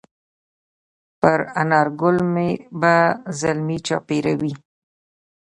پر انارګل به زلمي چاپېروي